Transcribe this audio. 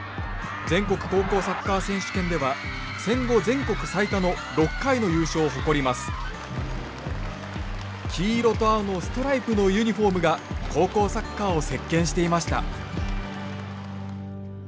全国高校サッカー選手権では戦後全国最多の黄色と青のストライプのユニフォームが高校サッカーを席けんしていました。